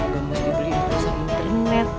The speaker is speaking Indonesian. gak mesti beliin perusahaan internet